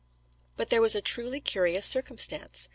But here was a truly curious circumstance.